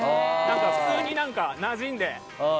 普通になじんで。